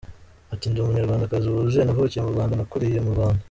Ati “Ndi Umunyarwandakazi wuzuye, navukiye mu Rwanda, nakuriye mu Rwanda.